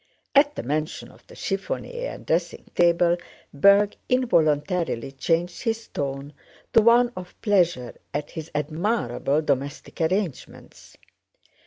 (At the mention of the chiffonier and dressing table Berg involuntarily changed his tone to one of pleasure at his admirable domestic arrangements.)